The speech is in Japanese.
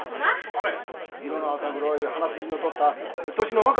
ほれ色の浅黒い鼻筋の通った年の若い方のお客さん。